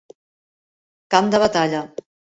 Camp de batalla.